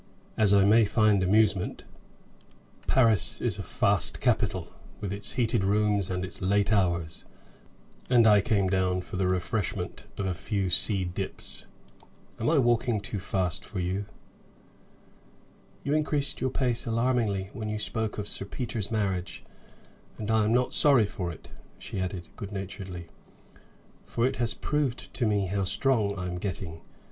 As I may find amusement. Paris is a fast capital, with its heated rooms and its late hours, and I came down for the refreshment of a few sea dips. Am I walking too fast for you?" "You increased your pace alarmingly when you spoke of Sir Peter's marriage. And I am not sorry for it," she added, good naturedly, "for it has proved to me how strong I am getting.